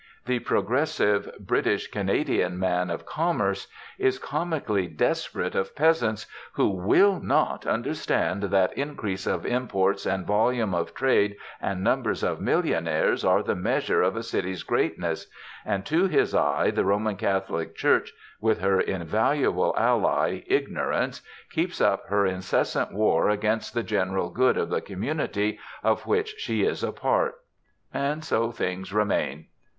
The 'progressive' British Canadian man of commerce is comically desperate of peasants who will not understand that increase of imports and volume of trade and numbers of millionaires are the measures of a city's greatness; and to his eye the Roman Catholic Church, with her invaluable ally Ignorance, keeps up her incessant war against the general good of the community of which she is part. So things remain.